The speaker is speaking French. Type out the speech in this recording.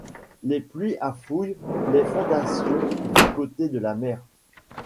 Les pluies affouillent les fondations du côté de la mer.